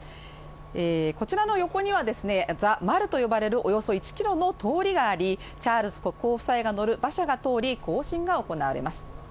こちらの横にはザ・マルと呼ばれるおよそ１ｋｍの通りがありチャールズ国王夫妻が乗る馬車が通り行進が行われます。